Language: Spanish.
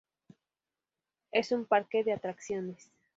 Es un parque de atracciones.